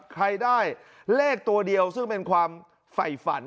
ใครได้เลขตัวเดียวซึ่งเป็นความไฝฝัน